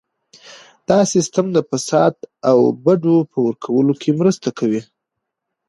دا سیستم د فساد او بډو په ورکولو کې مرسته کوي.